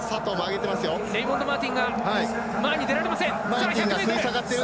レイモンド・マーティンが前に出られません。